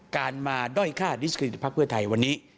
การมาด้อยค่าดิสกรีพักเพื่อไทยวันนี้